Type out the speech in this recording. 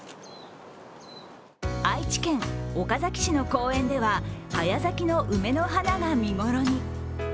愛知県岡崎市の公園では早咲きの梅の花が見頃に。